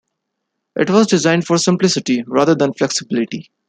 It was designed for simplicity rather than flexibility.